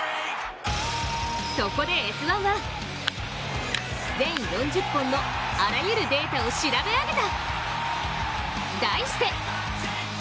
そこで「Ｓ☆１」は全４０本のあらゆるデータを調べ上げた！